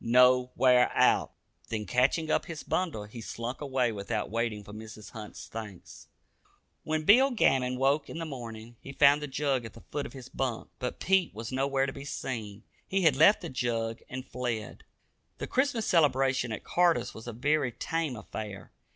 No wear out." Then, catching up his bundle, he slunk away without waiting for Mrs. Hunt's thanks. When Bill Gammon woke in the morning, he found the jug at the foot of his bunk. But Pete was nowhere to be seen. He had left the jug and fled. The Christmas celebration at Carter's was a very tame affair.